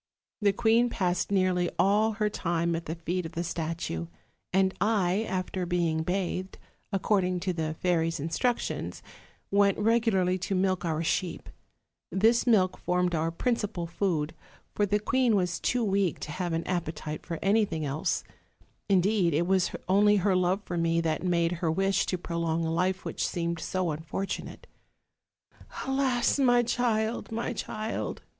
The queen passed nearly all her time at the feet of the statue; and I, after being bathed, according to the fairies' instructions, went regularly to milk our sheep: this milk formed our principal food, for the queen was too weak to have an appetite for anything else; indeed, it was only her love for me that made her wish to prolong a life which seemed so unfortunate. 'Alas, my child, my child!'